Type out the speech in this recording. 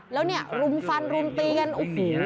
แล้วเนี่ยรุมฟันรุมตีกันโอ้โห